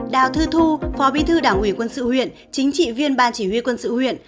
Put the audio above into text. đào thư thu phó bí thư đảng ủy quân sự huyện chính trị viên ban chỉ huy quân sự huyện